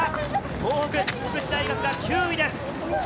東北福祉大学が９位です。